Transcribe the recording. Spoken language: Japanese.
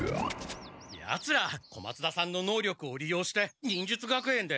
ヤツら小松田さんののうりょくをりようして忍術学園で。